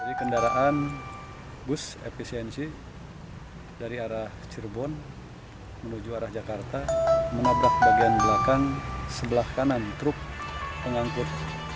ini kendaraan bus episod